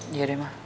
iya deh ma